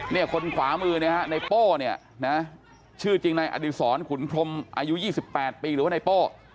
เนี่ยคนขวามือในโป้เนี่ยชื่อจริงในอดิษรขุนพรมอายุ๒๘ปีหรือว่าในโป้